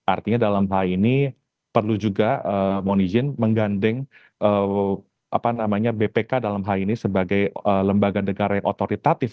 artinya dalam hal ini perlu juga mohon izin menggandeng bpk dalam hal ini sebagai lembaga negara yang otoritatif